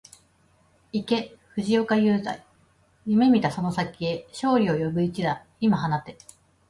行け藤岡裕大、夢見たその先へ、勝利を呼ぶ一打、今放て